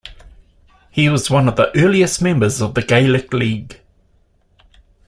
He was one of the earliest members of the Gaelic League.